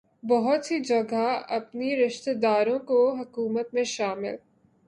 بہت سی جگہ اپنے رشتہ داروں کو حکومت میں شامل